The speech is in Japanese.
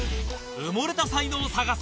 埋もれた才能を探せ。